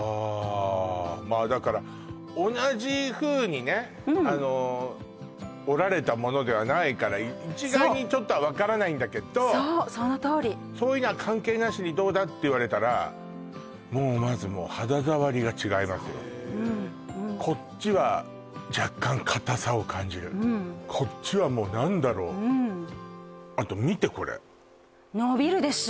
ああまあだから同じふうにねあの織られたものではないから一概にちょっとは分からないけどそうそのとおりそういうのは関係なしにどうだ？って言われたらもうまずもうこっちはこっちはもう何だろうあと見てこれ伸びるでしょ？